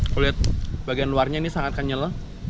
kalo liat bagian luarnya ini sangat kenyel